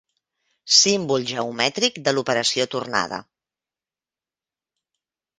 Símbol geomètric de l'operació tornada.